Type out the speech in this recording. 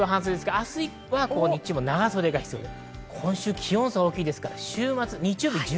明日以降は日中も長袖が必要です。